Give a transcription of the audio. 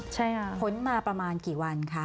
ใช่ค่ะผลมาประมาณกี่วันคะ